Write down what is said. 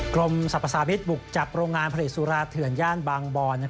กรมสรรพสามิตรบุกจับโรงงานผลิตสุราเถื่อนย่านบางบอน